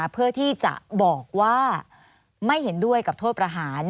เพื่อที่จะบอกว่าไม่เห็นด้วยกับโทษประหาร